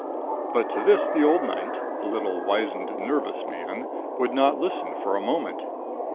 But to this, the old knight a little, wizened, nervous man would not listen for a moment.